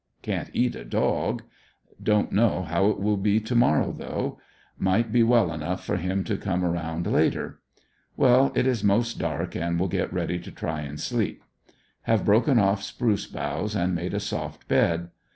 Can't eat a dog. Don't know how it will be to morrow though. Might be well enough for him to come around later. Well, it is most dark and will get ready to try and sleep. Have broken off spruce boughs and made a soft bed.